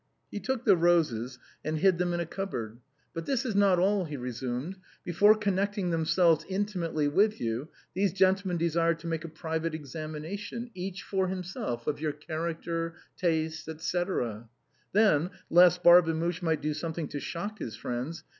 He took the roses and hid them in a cupboard. " But that is not all," he resumed ;" before connecting themselves intimately with you, these gentlemen desire to make a private examination, each for himself, of your character, tastes, etc." Then, lest Barbemuche might do something to shock his friends.